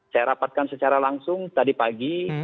saya rapatkan secara langsung tadi pagi